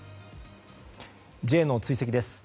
Ｊの追跡です。